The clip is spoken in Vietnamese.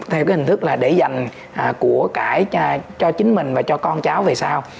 theo cái hình thức là để dành của cải cho chính mình và cho con cháu về sau